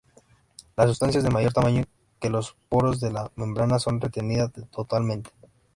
Las sustancias de mayor tamaño que los poros de la membrana son retenidas totalmente.